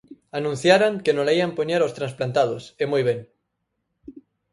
Anunciaran que nola ían poñer aos transplantados e moi ben.